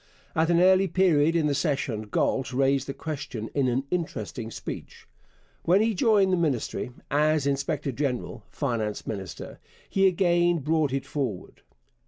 At an early period in the session Galt raised the question in an interesting speech. When he joined the Ministry, as inspector general (finance minister), he again brought it forward.